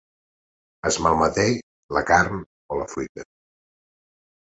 Es malmeté la carn o la fruita.